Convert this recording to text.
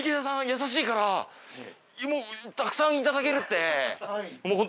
優しいからもうたくさん頂けるって。